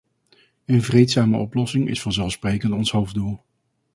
Een vreedzame oplossing is vanzelfsprekend ons hoofddoel.